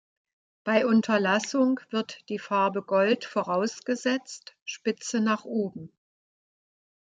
Bei Unterlassung wird die Farbe Gold vorausgesetzt, Spitze nach oben.